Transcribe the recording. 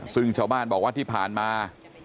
ซึ่งชาวบ้านบอกว่าที่ผ่านมา